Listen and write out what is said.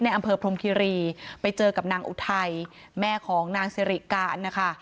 อำเภอพรมคิรีไปเจอกับนางอุทัยแม่ของนางสิริการนะคะ